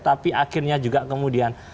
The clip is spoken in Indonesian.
tapi akhirnya juga kemudian